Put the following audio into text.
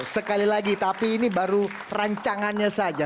sekali lagi tapi ini baru rancangannya saja